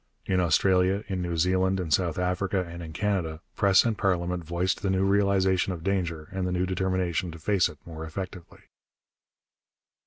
In Australia, in New Zealand, in South Africa, and in Canada, press and parliament voiced the new realization of danger and the new determination to face it more effectively.